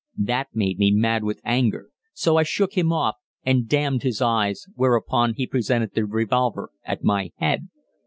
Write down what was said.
That made me mad with anger, so I shook him off and damned his eyes, whereupon he presented the revolver at my head.